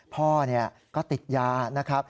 พ่อก็ติดยา